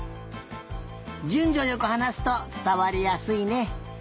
じゅんじょよくはなすとつたわりやすいね。